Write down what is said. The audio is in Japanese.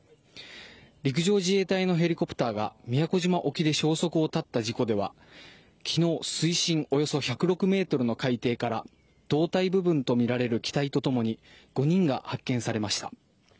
陸上自衛隊のヘリコプターが宮古島沖で消息を絶った事故では、きのう水深およそ１０６メートルの海底から胴体部分と見られる機体とともに、５人が発見されました。